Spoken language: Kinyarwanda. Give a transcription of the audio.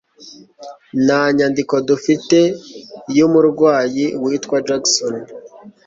Nta nyandiko dufite yumurwayi witwa Jackson.